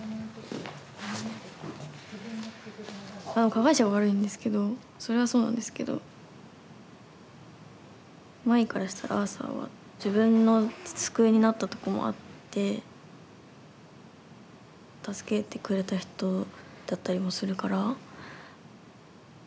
加害者が悪いんですけどそれはそうなんですけどまいからしたらアーサーは自分の救いになったとこもあって助けてくれた人だったりもするから。